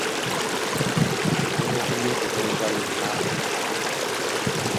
Ntera okubyetegereza byonna nga mmaze.